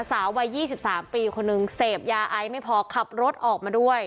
สาววัย๒๓ปีคนนึงเสพยาไอไม่พอขับรถออกมาด้วย